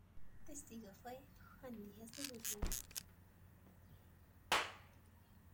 Testigo fue Juan Díaz de Burgos.